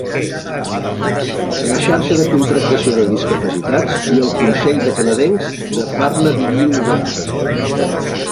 La xarxa de contractació de discapacitats i el Consell de Canadencs de Burnaby-New Westminster.